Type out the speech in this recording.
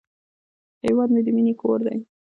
هیواد مې د مینې کور دی